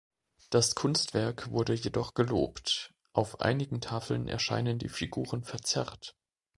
Das Kunstwerk wurde jedoch gelobt, „auf einigen Tafeln erscheinen die Figuren verzerrt“.